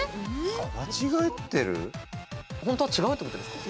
本当は違うってことですか？